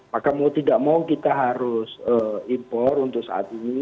maka mau tidak mau kita harus impor untuk saat ini